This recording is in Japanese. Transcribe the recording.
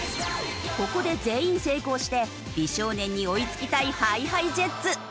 ここで全員成功して美少年に追いつきたいＨｉＨｉＪｅｔｓ。